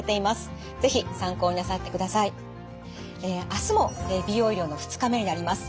あすも美容医療の２日目になります。